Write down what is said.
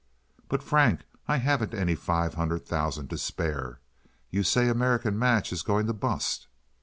"But, Frank, I haven't any five hundred thousand to spare. You say American Match is going to bust."